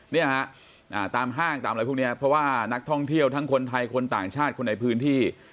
เนี่ยฮะตามห้างตามอะไรพวกนี้เพราะว่านักท่องเที่ยวทั้งคนไทยคนต่างชาติคนในพื้นที่